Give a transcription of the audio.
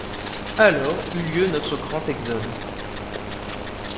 Alors eut lieu notre grand exode.